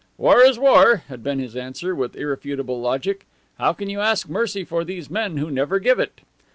"War is war," had been his answer, with irrefutable logic. "How can you ask mercy for these men who never give it?"